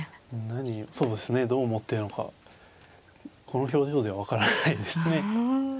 そうですねどう思ってるのかこの表情では分からないですね。